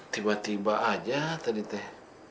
tiba tiba aja tadi teh